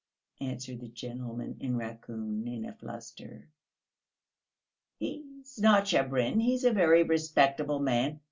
answered the gentleman in raccoon, in a fluster. "He's not Shabrin; he is a very respectable man!